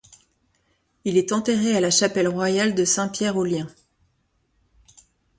Il est enterré à la chapelle royale de Saint Pierre aux liens.